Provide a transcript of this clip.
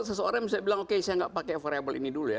seseorang bisa bilang oke saya nggak pakai variable ini dulu ya